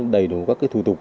đầy đủ các thủ tục